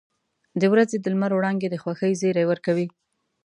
• د ورځې د لمر وړانګې د خوښۍ زیری ورکوي.